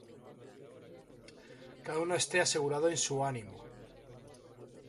Cada uno esté asegurado en su ánimo.